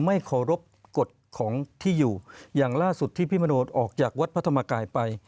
ไม่เคารพกฎของที่อยู่อย่างล่าสุดที่พี่มโนออกจากวัดพระธรรมกายไป